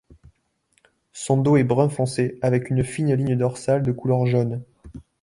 Son dos est brun foncé avec une fine ligne dorsale de couleur jaune.